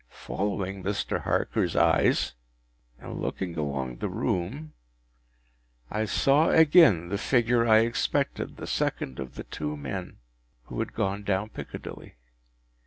” Following Mr. Harker’s eyes, and looking along the room, I saw again the figure I expected,—the second of the two men who had gone down Piccadilly.